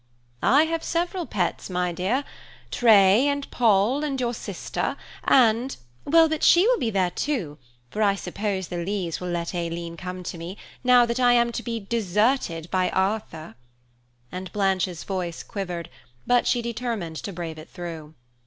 "I have several pets, my dear–Tray, and Poll, and your sister, and–" "Well, but she will be there, too, for I suppose the Lees will let Aileen come to me, now that I am to be deserted by Arthur," and Blanche's voice quivered, but she determined to brave it through.